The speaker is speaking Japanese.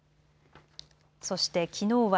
そして、きのうは